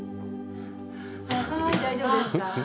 はい、大丈夫ですか？